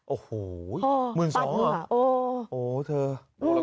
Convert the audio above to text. โอ้โหมื่นสองอ่ะ